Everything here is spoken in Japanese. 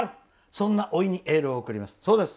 そんなおいにエールを送ります」。